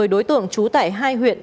một mươi đối tượng trú tại hai huyện